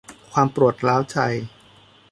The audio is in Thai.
ความปวดร้าวใจ